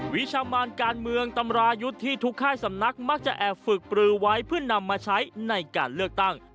วิชามานการเมืองตำรายุทธ์ที่ทุกค่ายสำนักมักจะแอบฝึกปลือไว้เพื่อนำมาใช้ในการเลือกตั้ง